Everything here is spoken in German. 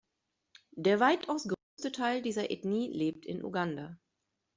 Der weitaus größte Teil dieser Ethnie lebt in Uganda.